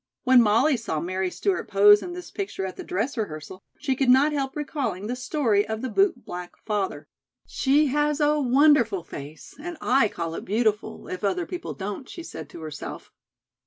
When Molly saw Mary Stewart pose in this picture at the dress rehearsal, she could not help recalling the story of the bootblack father. "She has a wonderful face, and I call it beautiful, if other people don't," she said to herself.